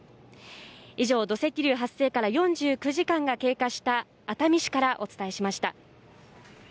以上、土石流発生から４９時間が経過した熱海市からお伝えしました。